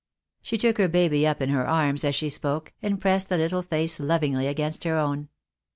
She took her baby up in her arms as she spoke, and pressed the little face lovingly against her own.